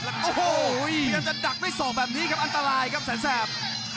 ถือดยัดเข้ามาครับโอ้โหพยายามจะดักไปส่องแบบนี้ครับอันตรายครับแสนแทรพ